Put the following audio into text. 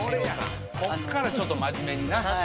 こっからちょっと真面目にな。